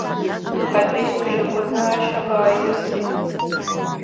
Адәеиужь агәаны ашьаҟа аирсит.